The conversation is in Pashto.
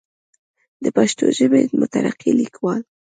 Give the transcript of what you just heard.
دَ پښتو ژبې مترقي ليکوال